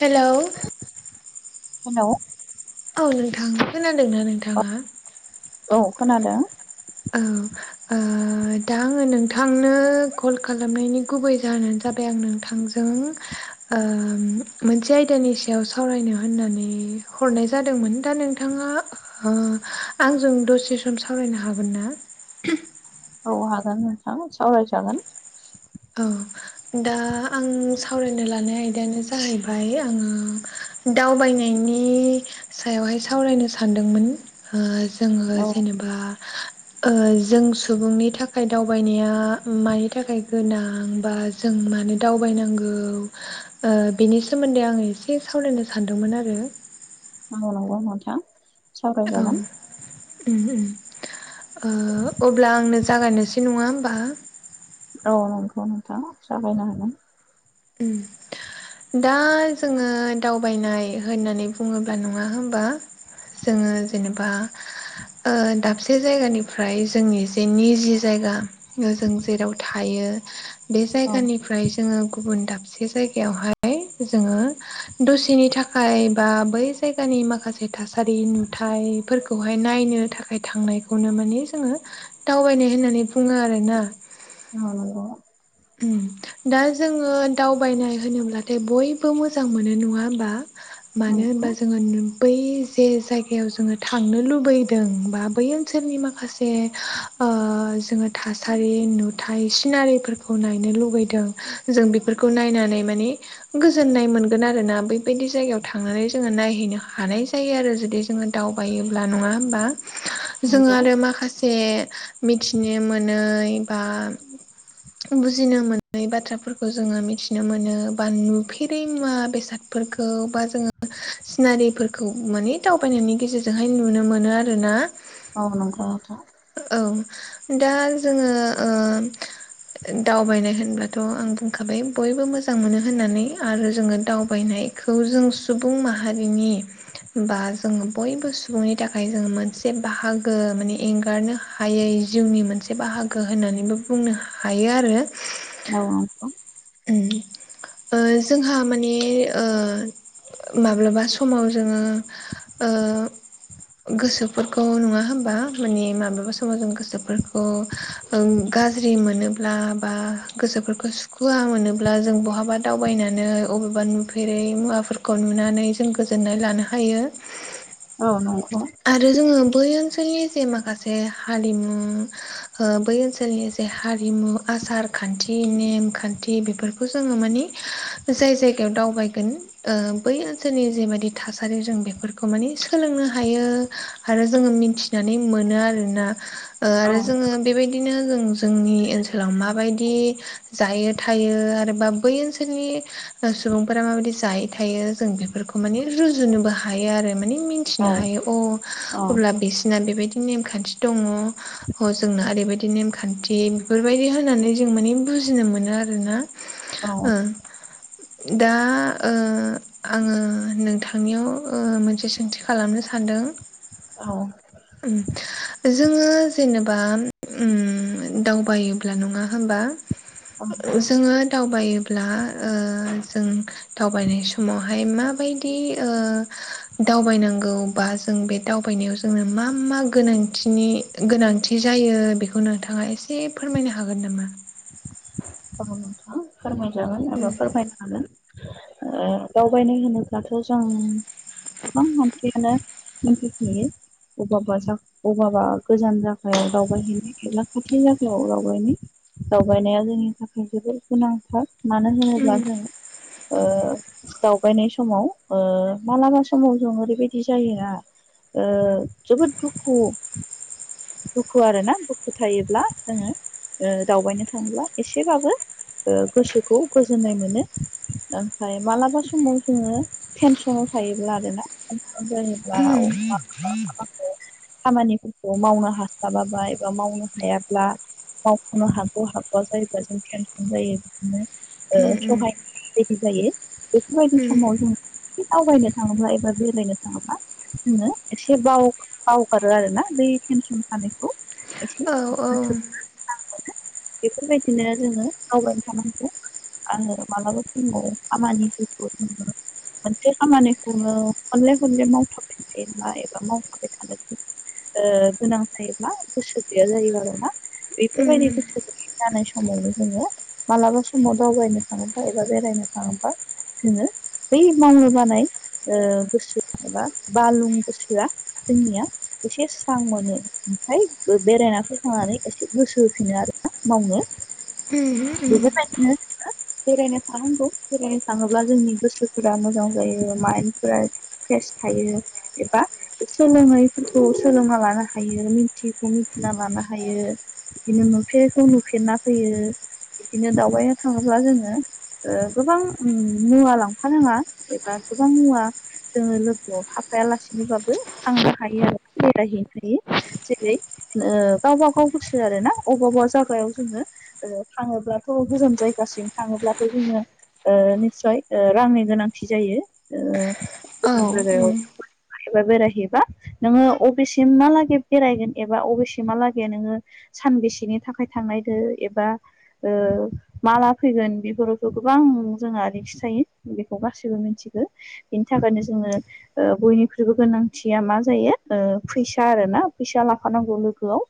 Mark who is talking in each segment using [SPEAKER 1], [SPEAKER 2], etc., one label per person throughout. [SPEAKER 1] Hello
[SPEAKER 2] hello
[SPEAKER 1] औ नोंथां खोनादोंना
[SPEAKER 2] औ
[SPEAKER 1] नोंथाङा?
[SPEAKER 2] औ खोनादों।
[SPEAKER 1] ओ ओ दा आङो नोंथांनो कल खालामनायनि गुबै जाहोनानो जाबाय आं नोंथांजों जों ओ मोनसे आयदानि सायाव सावरायनो होननानै हरनाय जादोंमोन दा नोंथाङा ओ आंजों दसे सम सावरायनो हागोन ना?
[SPEAKER 2] औ हागोन नोंथां सावरायजागोन।
[SPEAKER 1] औ दा आं सावरायनो लानाय आयदायानो जाहैबाय आङो दावबायनायनि सायावहाय सावरायनो सानदोंमोन ओ जोङो
[SPEAKER 2] औ
[SPEAKER 1] जेनेबा ओ जों सुबुंनि थाखाय दावबायनाया मानि थाखाय गोनां बा जों मानो दावबायनांगौ ओ बेनि सोमोन्दै आङो एसे सावरायनो सान्दोंमोन आरो
[SPEAKER 2] औ नंगौ नोंथां
[SPEAKER 1] औ
[SPEAKER 2] सावरायजागोन
[SPEAKER 1] उम-उम ओ अब्ला आंनो जागायनोसै नङा होमबा
[SPEAKER 2] औ नंगौ नोंथां जागायनो हागोन
[SPEAKER 1] उम दा जोङो दावबायनाय होननानै बुङोब्ला नङा होमबा जोङो जेनेबा ओ दाबसे जायगानिफ्राय जोंनि जे निजि जायगा जों जेराव थायो बे
[SPEAKER 2] औ
[SPEAKER 1] जायगानिफ्राय जोङो गुबुन दाबसे जायगायावहाय जोङो दसेनि थाखाय थाखाय बा बै जायगानि माखासे थासारि नुथायफोरखौहाय नायनो थाखाय थांनाय बेखौनो माने जोङो दावबायनाय होननानै बुङो आरोना।
[SPEAKER 2] औ नंगौ
[SPEAKER 1] उम दा जोङो दावबायनाय होनोब्लाथाय बयबो मोजां मोनो नङा होमबा मानो होन बा
[SPEAKER 2] नंगौ
[SPEAKER 1] जोङो बै जे जायगायाव जोङो थांनो लुबैदों बा बै ओनसोलनि माखासे जे ओ जोङो थासारि नुथाय सिनारिफोर खौ नायनो लुबैदों जों बेफोरखौ नायनानै माने गोजोननाय मोनगोन आरोना। बेबायदि जायगायाव थांनानै जोङो नायहैनो हानाय जायो आरो जुदि जोङो दावबायोब्ला नङा होमबा! जोङो
[SPEAKER 2] नंगौ
[SPEAKER 1] आरो माखासे जे मिथिनो मोनै बा बुजिनो मोनै बाथ्राफोरखौ जोङो मिथिनो मोनो बा नुफेरै मुवा बेसाद फोरखौ बा जोङो सिनारिफोरखौ माने दावबायनायनि गेजेरजोंहाय नुनो मोनो आरोना
[SPEAKER 2] औ नंगौ नोंथां
[SPEAKER 1] औ दा जोङो ओ दावबायनाय होनब्लाथ' आं बुंखाबाय बयबो मोजां मोनो होननानै आरो जोङो दावबायनाय खौ जों सुबुं माहारिनि बा जोङो बयबो सुबुंनि थाखाय जोङो मोनसे बाहागो माने एंगारनो हायै जिउनि मोनसे बाहागो होननानैबो बुंनो हायो आरो
[SPEAKER 2] औ नंगौ
[SPEAKER 1] उम ओ जोंहा माने ओ माब्लाबा समाव जोङो ओ गोसोफोरखौ नङा होमबा! माने माब्लाबा समाव जों गोसोफोरखौ ओं गाज्रि मोनोब्ला बा गोसोफोरखौ सु खुवा मोनोब्ला जों बहाबा दावबायनानै अबेबा नुफेरै मुवाफोरखौ नुनानै जों गोजोननाय लानो हायो
[SPEAKER 2] औ नंगौ
[SPEAKER 1] आरो जोङो बै ओनसोलनि जे माखासे हारिमु बै ओनसोलनि जे हारिमु आसार खान्थि नेम खान्थि थि बेफोरखौ जोङो माने जाय जायगायाव दावबायगोन ओ बै ओनसोलनि जेबायदि थासारि जों बेफोरखौ माने सोलोंनो हायो आरो जोङो मिथि नानै मोनो आरोना। ओ आरो
[SPEAKER 2] औ
[SPEAKER 1] जोङो बेबायदिनो जों जोंनि ओनसोलाव माबायदि जायो थायो आरोबा बै ओनसोलनि सुबुंफोरा माबायदि जायै थायो जों बे बेफोरखौ माने रुजुनोबो हायो आरो मानिे
[SPEAKER 2] औ
[SPEAKER 1] मिथिनो हायो अ अब्ला बिसिना बेबायदि नेमखान्थि दङ ह जोंना ओरैबायदि बि नेमखान्थि बेफोरबायदि होनानै जों माने बुजिनो मोनो आरोना
[SPEAKER 2] औ
[SPEAKER 1] ओं दा ओ आङो नोंथांनियाव ओ मोनसे सोंथि खालामनो सानदों
[SPEAKER 2] औ
[SPEAKER 1] उम जोङो जेनेबा उम दावबायो ब्ला नङा होमबा जोङो दावबायोब्ला ओ जों दावबायनाय समावहाय माबायदि ओ दावबायनांगौ बा जों बे दावबायनायाव जोंनो मा मा गोनांथिनि गोनांथि जायो बेखौ नोंथाङा एसे एसे फोरमायनो हागोन नामा?
[SPEAKER 2] गाबथ फोरमायजागोन एबा
[SPEAKER 1] उम
[SPEAKER 2] फोरमायनो हागोन ओ दावबायनाय होनोब्लाथ' जों गोबां मानसियानो मिथिखायो अबा बासा अबाबा गोजान जागायाव दावबायहैनाय खेला खाथि जायगायाव दावबायनाय दावबायनाया जोंनि थाखाय जोबद गोनांथार मानो होनोब्ला
[SPEAKER 1] उम
[SPEAKER 2] जों ओ दावबायनाय समाव ओ मालाबा समाव जों ओरैबायदि जायोना ओ जोबोद दुखु दुखु आरोना दुखु थायोब्ला जोङो ओ दावबायनो थाङोब्ला एसेबाबो ओ गोसोखौ गोजोननाय मोनो ओमफ्राय मालाबा समाव जोङो टेनसनाव थायोब्ला आरो ना उनसन जायोब्ला
[SPEAKER 1] उम
[SPEAKER 2] अ
[SPEAKER 1] उम
[SPEAKER 2] आ
[SPEAKER 1] [inaudible]
[SPEAKER 2] खामानिफोरखौ मावनो हास्लाबाबा एबा मावनो हायाब्ला मावखनो हाखु हाखवा जायो दा जों बिदिनो मेनसन जायो बिदिनो ओ
[SPEAKER 1] उम उम
[SPEAKER 2] सहाय बायदि जायो। बेफोरबायदि
[SPEAKER 1] उम
[SPEAKER 2] समाव जों दावबायनो थाङोब्ला एबा बेरायनो थाङोब्ला जोङो एसे बाव बावगारो आरोना बै टेनसन खानायखौ
[SPEAKER 1] औ औ
[SPEAKER 2] मोनो। बेफोरबायदिनो जोङो आवगायबाय थानांगौ आरो मालाबा फङाव खामानि फोरखौ नुनो मोनसे खामानिखौनो खनले खनले मावथाबाय थायोब्ला एबा मावथाबाय थानो गो ओ गोनां थायोब्ला गोसो गैया जायोबा आरोना
[SPEAKER 1] उम
[SPEAKER 2] बेफोरबायदि गोसो जानाय समावनो जोङो मालाबा समाव दावबायनो थाङोबा एबा बेरायनो थाङोबा जोङो बै मावनो बानाय ओ गोसो एबा बालुं गोसोआ जोंनिया एसे स्रां मोनो ओमफ्राय बेरायनानै फैखांनानै एसे गोसो होफिनो आरोना मावनो
[SPEAKER 1] औ नंगौ
[SPEAKER 2] बेदिखायनो जोङो बेरायनो थानांगौ बेरायनो थाङोब्ला जोंनि गोसोफोरा मोजां जायो माइन्फोरा फ्रेस थायो एबा सोलोंङैफोरखौ सोलोंना लानो हायो मिथियैखौ मिथिना लानो हायो। बिदिनो नुफेरखौ नुफेरना फैयो बिदिनो दावबायया थाङोब्ला जोङो ओ गोबां मुवा लांफानाङा एबा गोबां मुवा जोङो लोगोआव थाफाया लासेनोबाबो थांनो हायो आरो बेरायहैनोखायो जेरै ओ गावबा गाव गोसो आरो ना अबावबा जा खुगायाव जोङो ओ थाङोब्लाथ' गोजान जायगासिम थाङोब्लाथ' जोङो ओ निस्य ओ रांनि गोनांथि जायो गोजान जायगायाव एबा बेरायहैबा नोङो अबेसेम मालागै बेरायगोन एबा अबेसेमहालागै नोङो सानबेसेनि थाखाय थांनायजों एबा माला फैगोन बेफोरावथ' गोबां जोंहा रिक्स थायो बेखौ गासैबो मिथिखौ बिनि थाखायनो जोङो बयनिख्रुइबो गोनांथिया मा जायो फैसा आर ना फैसा लाफानांगौ लोगोआव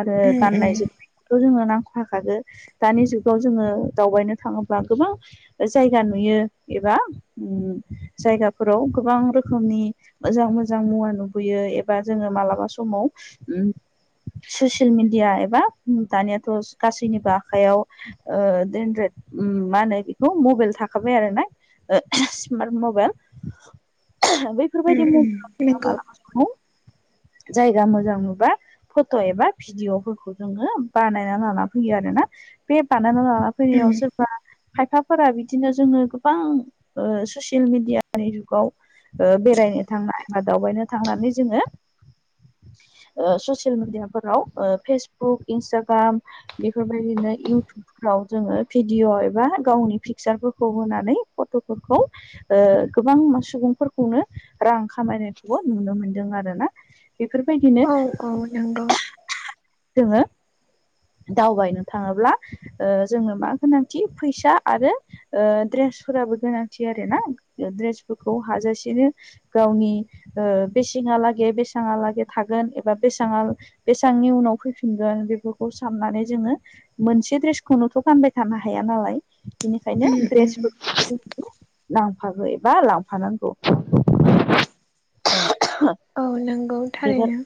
[SPEAKER 2] आरो गाननाय जोमनाय थ' जोङो नांख'हाखागो दानि जुगाव जोङो दावबायनो थाङोब्ला गोबां जायगा नुयो एबा जायगाफोराव गोबां रोखोमनि मोजां मोजां मुवा नुबोयो एबा जोङो मालाबा समाव ओम ससियेल मिडिया एबा दानियाथ' गासैनिबो आखायाव ओ मा होनो बेखौ मबाइल थाखाबाय आरोना स्मार्ट मबाइल बैफोरबायदि मबाइल खालामा जायगा मोजां नुबा फट' एबा भिडिअफोरखौ जोंङो बानायना लाना फैयो आरोना बे बानायना लाना फैनायाव सोरबा खायफाफोरा बिदिनो जोंङो गोबां ससियेल मिडियानि जुगाव बेरायनो थांनाय एबा दावबायनो थांनानै जोंङो ससियेल मिडियाफोराव फेसबुक फेसबुक इन्सटाग्राम बेफोरबायदिनो इउटुब फोराव जोंङो भिडिअ' एबा गावनि पिकसारफोरखौ होनानै फट'फोरखौ गोबां सुबुंफोरखौनो रां खामायनायखौबो नुनो मोनदों आरो ना। बेफोरबायदिनो
[SPEAKER 1] औ औ नंगौ
[SPEAKER 2] जोंङो दावबायनो थाङोब्ला जोंङो मा गोनांथि फैसा आरो ओ ड्रेसफोराबो गोनांथि आरो ना ड्रेसफोरखौ हाजासेनो गावनि बेसांहा लागै बेसांहा लागै थागोन एबा बेसांङा बेसेबांनि उनाव फैफिनगोन बेफोर खौ साननानै जोंङो मोनसे द्रेसखौनोथ' गानबाय थानो हाया नालाय। बेनिखायनो
[SPEAKER 1] ऊम, ऊम.
[SPEAKER 2] ड्रेसफोरखौबो जों लांफाबो एबा लांफानांगौ। [inaudible]
[SPEAKER 1] औ नंगौ
[SPEAKER 2] बेफोर
[SPEAKER 1] थारैनो।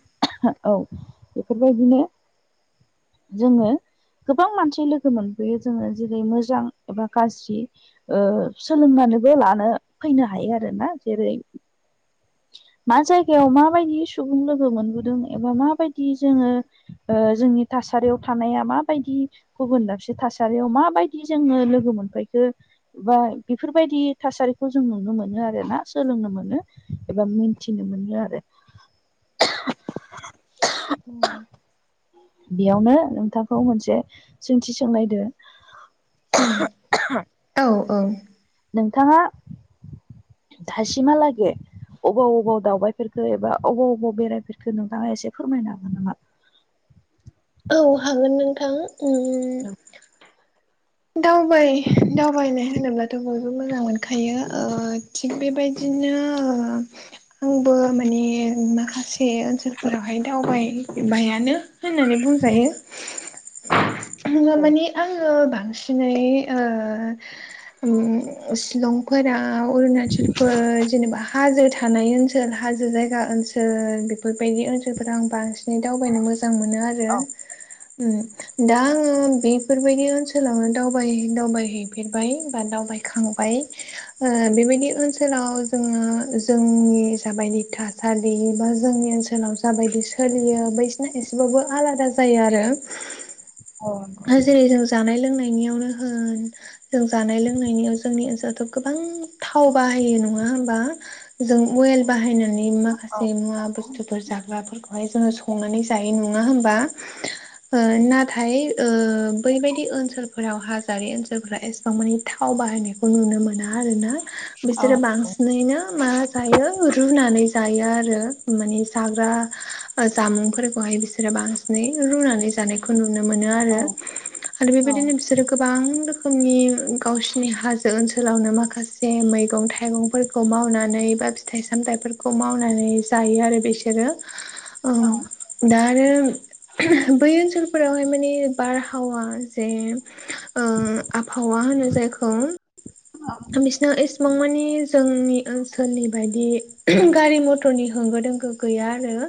[SPEAKER 2] औ बेफोरबायदिनो जोंङो गोबां मानसि लोगो मोनबोयो जोंङो जेरै मोजां एबा गाज्रि। सोलोंनानैबो लानो फैनो हायो आरो ना जेरै मा जायगायाव माबायदि सुबुं लोगो मोनबोदों एबा माबायदि जोंङो जोंनि थासारियाव थानाया माबायदि गुबुन दाबसे थासारियाव माबायदि जोंङो लोगो मोनफैखो बा बेफोरबायदि थासारिखौ जों नुनो मोनो आरोना सोलोंनो मोनो। एबा मिथिनो मोनो आरो।
[SPEAKER 1] [inaudible]
[SPEAKER 2] बेयावनो नोंथांखौ मोनसे सोंथि सोंनो नागिरदों।
[SPEAKER 1] औ औ।
[SPEAKER 2] नोंथाङा दासिमहालागै अबाव अबाव दावबायफेरखो एबा अबाव अबाव बेरायफेरखो नोंथाङा एसे फोरमायनो हागोन नामा।
[SPEAKER 1] औ हागोन नोंथां उम दावबायनाय होनोब्लाथ' बयबो मोजां मोनखायो। थिग बेबायदिनो आंबो माने माखासे। माखासे ओनसोलफोरावहाय दावबायबायानो होननानै बुंजायो। दा
[SPEAKER 2] औ
[SPEAKER 1] माने आंङो। सिनै ओ ओम शिलं फोराव अरुणाचलफोर जेनेबा हाजो थानाय ओनसोल हाजो जायगा ओनसोल बेफोरबायदि ओनसोलफोर आं बांसिन दावबायनो मोजां मोनो आरो
[SPEAKER 2] औ
[SPEAKER 1] ओम दा आंङो बेफोरबायदि ओन ओनसोलावनो दावबाय दावबायहैफेरबाय बा दावबायखांबाय ओ बेबायदि ओनसोलाव जोंङो जोंनि जाबायदि थासारि बा जोंनि ओनसोलाव जाबायदि सोलियो बै एसेबाबो आलादा जायो आरो जेरै जों जानाय लोंनायनियावनो होन जों जानाय लोंनायनियाव जोंनि ओनसोलावथ' गोबां थाव बाहायो नङा होमबा। जों अवेल बाहायनानै
[SPEAKER 2] औ
[SPEAKER 1] माखासे मुवा बुस्थुफोर जाग्राफोरखौ हाय जोंङो संनानै जायो नङा होमबा नाथाय। बैबायदि ओनसोलफोराव हाजोआरि ओनसोलफोरा एसेबां मानि थाव बाहायनायखौ नुनो मोना आरो ना। बिसोर बांसिन ओरैनो मा जायो रुनानै जायो आरो माने जाग्रा ओ जामुंफोरखौहाय बिसोरो बांसिनै रुनानै जानायखौ नुनो मोनो आरो।
[SPEAKER 2] औ
[SPEAKER 1] आरो
[SPEAKER 2] औ
[SPEAKER 1] बेबायदिनो बिसोरो गोबां रोखोमनि गावसिनि हाजो ओनसोलावनो माखासे जे मैगं थाइगंफोरखौ मावनानै बा फिथाइ सामथाइफोरखौ मावनानै जायो आरो बिसोरो। ओ दा आरो बै ओनसोलफोरावहाय नि बारहावा जे ओ आबहावा होनो जायखौ सिना इसेबां मानि जोंनि ओनसोलनि बायदि गारि मथरनि होंगो दोंगो गैया आरो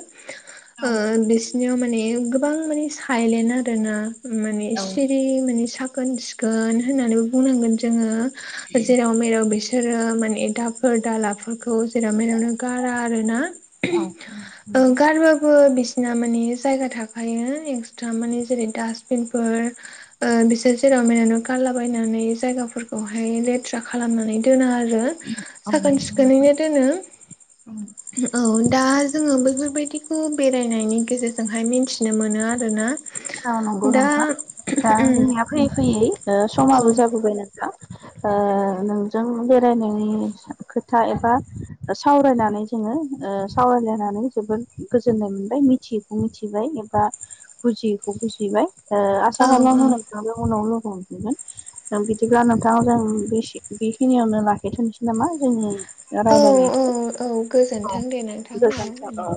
[SPEAKER 1] ओ बिसिनियाव माने गोबां माने सायलेन्ट आरो ना। माने सिरि माने साखोन सिखोन होननानैबो बुंनांगोन जोंङो। जेराव मेराव बिसोरो माने दाफोर दालाफोरखौ जेराव मेरावनो गारा आरो ना। ओ गारो बो बिसिना माने जायगा थाखायो एक्सट्रा माने जेरै दडासबिनफोर ओ बिसोर जेराव मेरावनो गारलाबायनानै जायगाफोरखौहाय ले थ्रा खालामनानै दोना आरो साखोन सिखोनैनो दोनो।
[SPEAKER 2] [inaudible]
[SPEAKER 1] औ दा जोंङो बेैफोरबायादिखौ बेरायनायनि गेजेरजोंहाय मिथिनो मोनो आरो ना।
[SPEAKER 2] औ नंगौ
[SPEAKER 1] दा
[SPEAKER 2] नोंथां दा
[SPEAKER 1] ओम
[SPEAKER 2] जोंनिया फैयै फैयै ओ समाबो जाबोबाय ना ओ नोंजों बेरायनायनि खोथा एबा सावरायनानै जोंङो ओ सावरायलायनानै जोबोद गोजोननाय मोनबाय मिथि मिथिबाय एबा बुजि बाय ओ आसा खालामो नोंथांजो उनाव लोगो हमफिनगोन। जों बिदिब्ला नोंथाङा जों बेखिनियावनो लाखिथनोसै नामा जोंनि
[SPEAKER 1] औ औ
[SPEAKER 2] राय्लायनायखौ
[SPEAKER 1] औ
[SPEAKER 2] औ
[SPEAKER 1] गोजोन्थों दे नोंथां औ
[SPEAKER 2] गोजोनथों।